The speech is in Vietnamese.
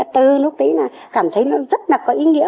từ lúc đấy là cảm thấy nó rất là có ý nghĩa